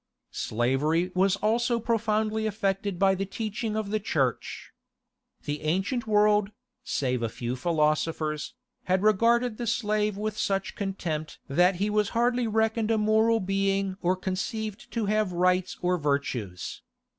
Slavery was also profoundly affected by the teaching of the Church. The ancient world, save a few philosophers, had regarded the slave with such contempt that he was hardly reckoned a moral being or conceived to have rights or virtues.